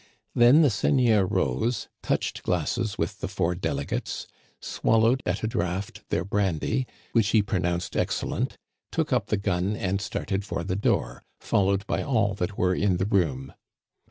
Then the seigneur rose, touched glasses with the four delegates, swallowed at a draught their brandy, which he pronounced excellent, took up the gun and started for the door, followed by all that were in the room.